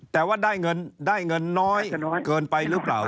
แต่ว่าได้เงินน้อยเกินไปหรือเปล่า